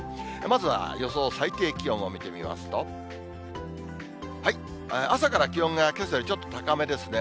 まずは予想最低気温を見てみますと、朝から気温がけさよりちょっと高めですね。